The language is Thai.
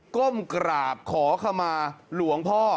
ก้มกราบขอขมาหลวงพ่อ